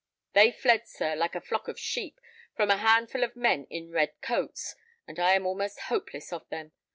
They fled, sir, like a flock of sheep, from a handful of men in red coats, and I am almost hopeless of them.